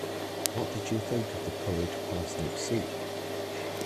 What did you think of the curried parsnip soup?